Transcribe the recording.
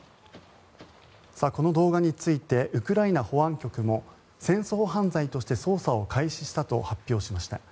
この動画についてウクライナ保安局も戦争犯罪として捜査を開始したと発表しました。